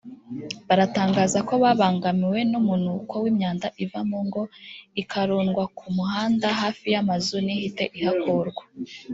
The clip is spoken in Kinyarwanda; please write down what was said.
baratangaza ko babangamiwe n’umunuko w’imyanda iva mu ngo ikarundwaku muhanda hafi y’amazu ntihite ihakurwa